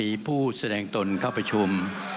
มีผู้แสดงตนเข้าประชุม